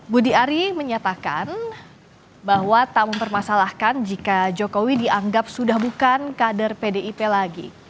budi ari menyatakan bahwa tak mempermasalahkan jika jokowi dianggap sudah bukan kader pdip lagi